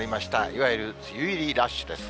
いわゆる梅雨入りラッシュです。